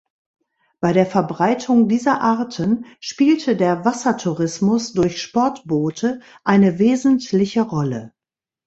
Bei der Verbreitung dieser Arten spielte der Wassertourismus durch Sportboote eine wesentliche Rolle.